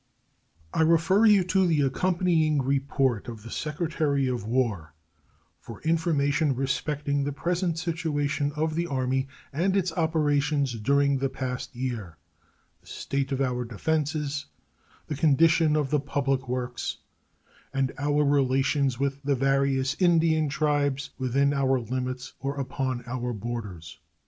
I refer you to the accompanying report of the Secretary of War for information respecting the present situation of the Army and its operations during the past year, the state of our defenses, the condition of the public works, and our relations with the various Indian tribes within our limits or upon our borders.